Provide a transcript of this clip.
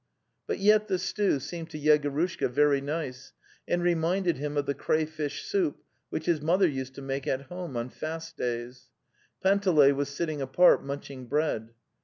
But yet the stew seemed to Yegorushka very nice, and reminded him of the cray fish soup which his mother used to make at home on fast days. Panteley was sitting apart munching bread.